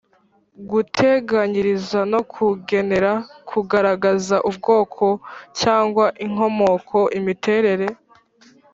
guteganyiriza no kugenera, kugaragaza ubwoko cyangwa inkomoko, imiterere